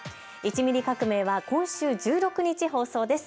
１ミリ革命は今週１６日放送です。